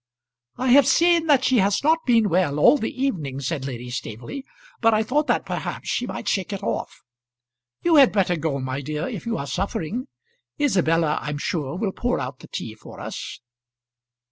"I have seen that she has not been well all the evening," said Lady Staveley; "but I thought that perhaps she might shake it off. You had better go, my dear, if you are suffering. Isabella, I'm sure, will pour out the tea for us."